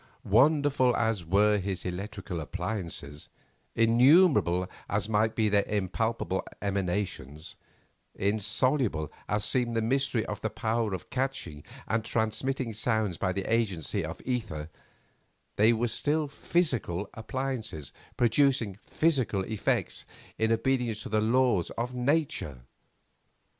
Wonderful as were his electrical appliances, innumerable as might be their impalpable emanations, insoluble as seemed the mystery of their power of catching and transmitting sounds by the agency of ether, they were still physical appliances producing physical effects in obedience to the laws of nature.